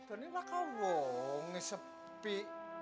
ini mah kaya wong nih sepi